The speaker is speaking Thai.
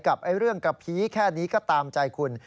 กับเรื่องกระพีแค่นี้ก็ตามใจคุณ